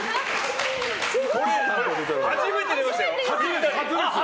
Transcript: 初めて出ましたよ。